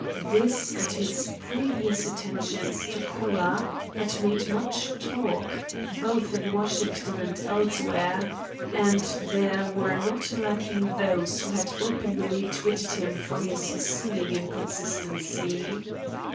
This and his previous attentions to Cora had made much talk, both in Washington and elsewhere, and there were not lacking those who had openly twitted him for his seeming inconstancy.